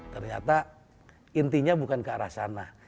ternyata intinya bukan ke arah sana